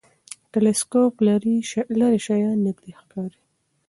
ټلسکوپ لرې شیان نږدې ښکاري.